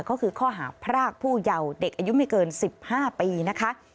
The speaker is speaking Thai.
ก็คือข้อหาพรากผู้เยาว์เด็กอายุไม่เกิน๑๕ปีนะคะ